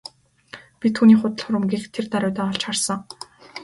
Би түүний худал хуурмагийг тэр даруйдаа олж харсан.